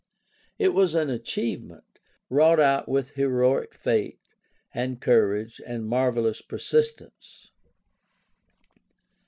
It was an achieve ment, wrought out with heroic faith and courage and mar velous persistence.